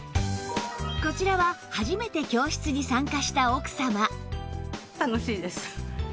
こちらは初めて教室に参加した奥様